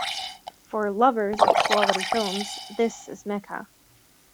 For lovers of quality films, this is Mecca.